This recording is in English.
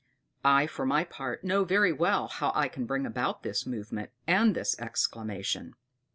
I, for my part, know very well how I can bring about this movement and this exclamation.